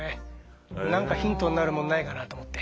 何かヒントになるものないかなと思って。